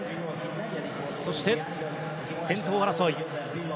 そして、先頭争い。